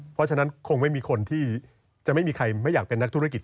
เพราะฉะนั้นคงไม่มีคนที่จะไม่มีใครไม่อยากเป็นนักธุรกิจ